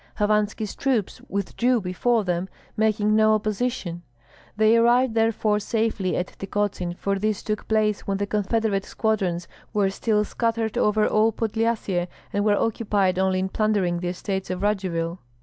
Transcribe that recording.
Hovanski's troops withdrew before them, making no opposition; they arrived therefore safely at Tykotsin, for this took place when the confederate squadrons were still scattered over all Podlyasye, and were occupied only in plundering the estates of Radzivill.